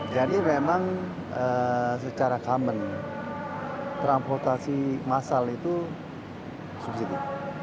jadi memang secara common transportasi massal itu subsidi